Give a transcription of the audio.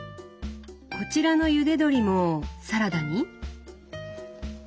こちらのゆで鶏もサラダに？